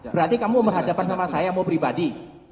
berarti kamu menghadapkan sama saya mau pribadi